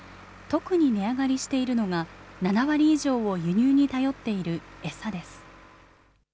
特に値上がりしているのが、７割以上を輸入に頼っている餌です。